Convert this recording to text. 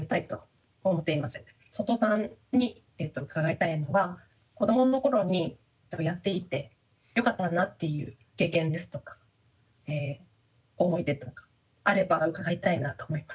外尾さんに伺いたいのは子どもの頃にやっていてよかったなっていう経験ですとか思い出とかあれば伺いたいなと思います。